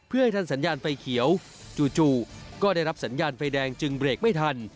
เพื่อให้ทันสัญญาณไฟเขียวจู่ก็ได้รับสัญญาณไฟแดงจึงเบรกไม่ทัน